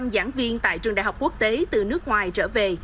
chín mươi ba giảng viên tại trường đại học quốc tế từ nước ngoài trở về